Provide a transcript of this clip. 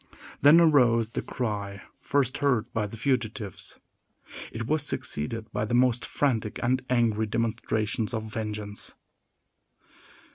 Then arose the cry first heard by the fugitives. It was succeeded by the most frantic and angry demonstrations of vengeance.